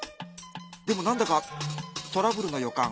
でも何だかトラブルの予感。